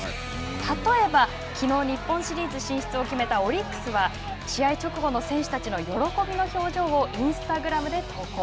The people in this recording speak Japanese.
例えば、きょう日本シリーズ進出を決めたオリックスは試合直後の選手たちの喜びの表情をインスタグラムで投稿。